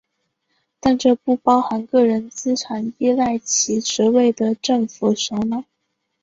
但这不包含个人资产依赖其职位的政府首脑。